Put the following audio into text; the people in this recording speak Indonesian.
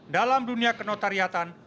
dalam dunia kenotariatan